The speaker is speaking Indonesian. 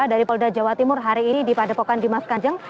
dari polda jawa timur hari ini di padepokan dimas kanjeng